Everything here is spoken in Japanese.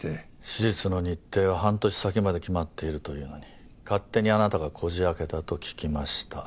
手術の日程は半年先まで決まっているというのに勝手にあなたがこじ開けたと聞きました。